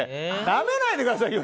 なめないでくださいよ。